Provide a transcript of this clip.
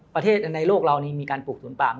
ประเทศในโลกเรานี้มีการปลูกสวนปาร์ม